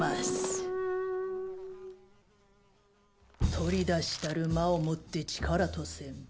取り出したる魔をもって力とせん。